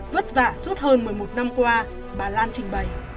vất vả suốt hơn một mươi một năm qua bà lan trình bày